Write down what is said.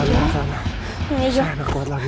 sudah saya sudah kuat lagi